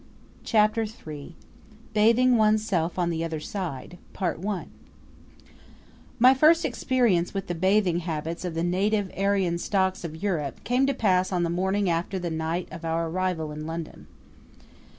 Chapter III Bathing Oneself on the Other Side My first experience with the bathing habits of the native Aryan stocks of Europe came to pass on the morning after the night of our arrival in London.